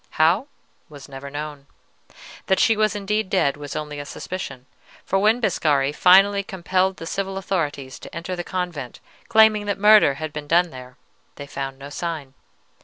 How, was never known. That she was indeed dead was only a suspicion, for when Biscari finally compelled the civil authorities to enter the convent, claiming that murder had been done there, they found no sign.